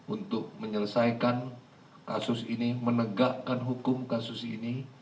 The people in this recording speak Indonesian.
untuk menyelesaikan kasus ini menegakkan hukum kasus ini